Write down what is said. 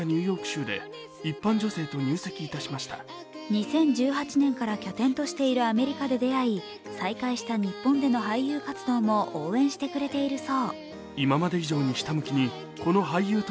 ２０１８年から拠点としているアメリカで出会い、再開した日本での俳優活動も応援してくれているそう。